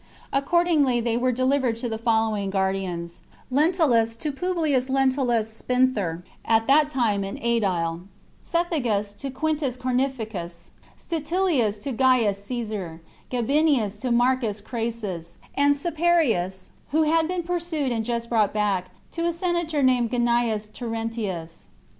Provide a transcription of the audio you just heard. Accordingly they were delivered to the following guardians :— Lentulus, to Publius Lentulus Spinther, at that time an aedile ; Cethegus, to Quintus Cornificius ; Statilius, to Gaius Caesar ; Gabinius, to Marcus Crassus ; and Caeparius (who had been pursued and just brought back), to a senatoV named Gnaeus Terentius.